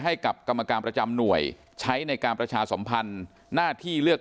ให้กับกรรมการประจำหน่วยใช้ในการประชาสัมพันธ์หน้าที่เลือก